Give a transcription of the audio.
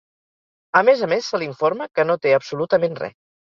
A més a més se l’informa que no té absolutament res.